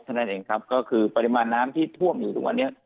นั่นเองครับก็คือปริมาณน้ำที่ท่วมอยู่ทุกวันนี้